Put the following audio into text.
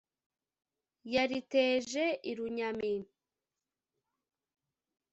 yariteje i runyami.